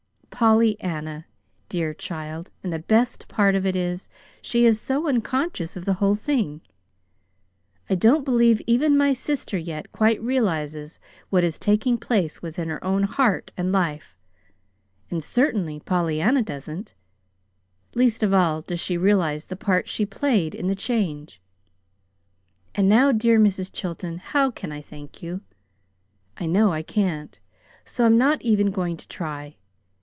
"Pollyanna! Dear child and the best part of it is, she is so unconscious of the whole thing. I don't believe even my sister yet quite realizes what is taking place within her own heart and life, and certainly Pollyanna doesn't least of all does she realize the part she played in the change. "And now, dear Mrs. Chilton, how can I thank you? I know I can't; so I'm not even going to try.